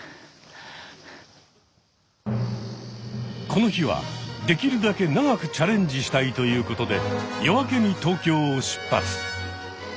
この日はできるだけ長くチャレンジしたいということで夜明けに東京を出発。